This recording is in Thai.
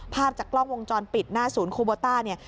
ภาพจากกล้องวงจรปิดหน้าศูนย์โคโบต้าเนี่ย